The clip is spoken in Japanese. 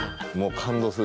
感動する？